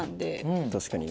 確かにね。